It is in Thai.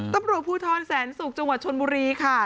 ตำรวจผู้ท้อนแสนสุขจังหวัดชนบุรีค่ะ